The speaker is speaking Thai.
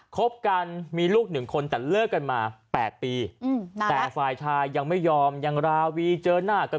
คบกันมีลูกหนึ่งคนแต่เลิกกันมา๘ปีแต่ฝ่ายชายยังไม่ยอมยังราวีเจอหน้ากัน